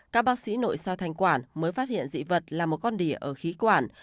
các bác sĩ nội so thành quản mới phát hiện dị vật là một con đỉa ở khí quản